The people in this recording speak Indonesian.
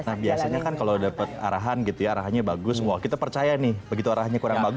nah biasanya kan kalau dapat arahan gitu ya arahannya bagus wah kita percaya nih begitu arahnya kurang bagus